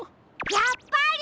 やっぱり！